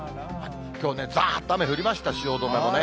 きょうね、ざーっと雨降りました、汐留もね。